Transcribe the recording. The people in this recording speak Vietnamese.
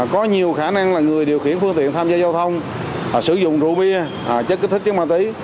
có nhiều khả năng là người điều khiển phương tiện tham gia giao thông sử dụng rượu bia chất kích thích ma túy